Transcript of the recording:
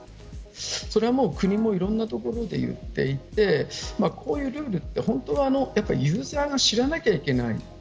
それはもう、国もいろんなところで言っていてこういうルールって本当はユーザーが知らなきゃいけない。